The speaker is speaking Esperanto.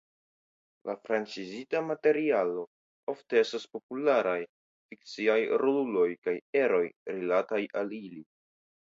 La franĉizita materialo ofte estas popularaj fikciaj roluloj kaj eroj rilataj al ili.